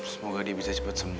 semoga dia bisa cepat sembuh